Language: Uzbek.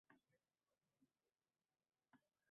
Bir vaqt bolakay qoʻlidagi kolani etkizib ochdi